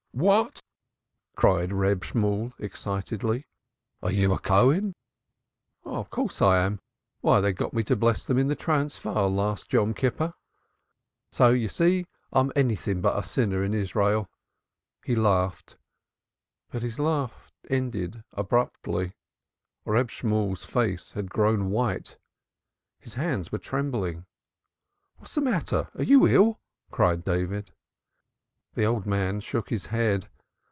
"What!" cried Reb Shemuel excitedly. "Are you a Cohen?" "Of course I am. Why, they got me to bless them in the Transvaal last Yom Kippur. So you see I'm anything but a sinner in Israel." He laughed but his laugh ended abruptly. Reb Shemuel's face had grown white. His hands were trembling. "What is the matter? You are ill," cried David. The old man shook his head.